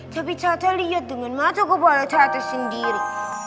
tapi cata lihat dengan mata kepala cata sendiri